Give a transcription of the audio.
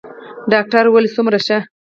ډاکتر وويل څومره ښه.